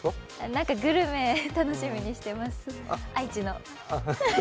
何かグルメ、楽しみにしてます、愛知の。